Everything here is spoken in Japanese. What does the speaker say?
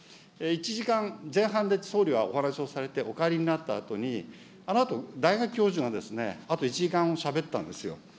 １時間、前半で総理はお話をされてお帰りになったあとに、あのあと大学教授が、あと１時間ほどしゃべったんですよ。